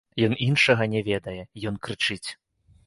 Ён іншага не ведае, ён крычыць.